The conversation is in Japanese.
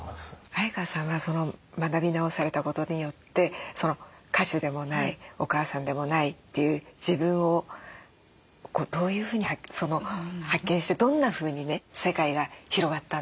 相川さんは学び直されたことによって歌手でもないお母さんでもないという自分をどういうふうに発見してどんなふうにね世界が広がったんですか？